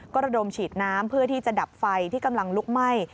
ก็ระดมฉีดน้ำเพื่อที่จะดับไฟที่กำลังลุกไหม้